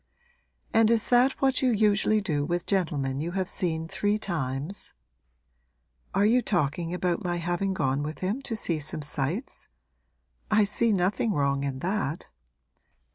'And is that what you usually do with gentlemen you have seen three times?' 'Are you talking about my having gone with him to see some sights? I see nothing wrong in that.